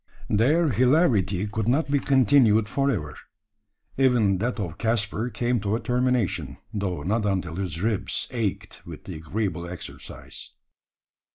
Their hilarity could not be continued for ever. Even that of Caspar came to a termination; though not until his ribs ached with the agreeable exercise.